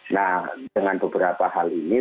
nah dengan beberapa hal ini